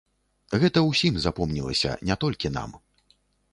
Гэта ўсім запомнілася, не толькі нам.